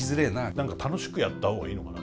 何か楽しくやった方がいいのかな。